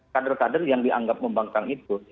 kader kader yang dianggap membangkang itu